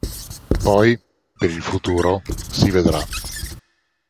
Poi, per il futuro, si vedrà.